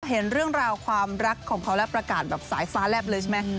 เห็นเรื่องราวความรักของเขาและประกาศแบบสายฟ้าแลบเลยใช่ไหม